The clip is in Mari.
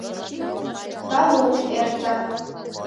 Талук эрта.